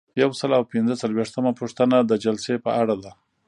یو سل او پنځه څلویښتمه پوښتنه د جلسې په اړه ده.